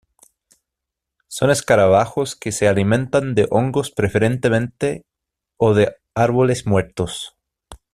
Son escarabajos que se alimentan de hongos preferentemente o de árboles muertos.